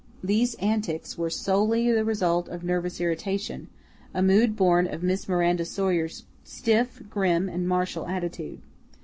These antics were solely the result of nervous irritation, a mood born of Miss Miranda Sawyer's stiff, grim, and martial attitude.